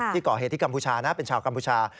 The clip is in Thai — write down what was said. ที่ก่อเหตุที่กัมพูชานะเป็นชาวกัมพูชา